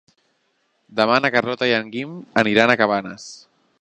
Demà na Carlota i en Guim aniran a Cabanes.